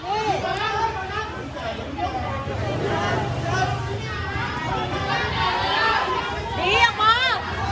ออกทางนู้น